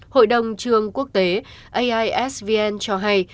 hội đồng trường quốc tế aisvn cho hay